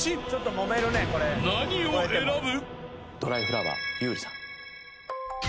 ［何を選ぶ？］